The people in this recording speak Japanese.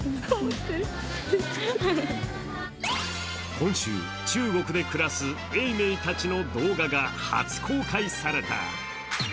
今週、中国で暮らす永明たちの動画が初公開された。